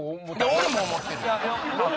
俺も思ってるよ。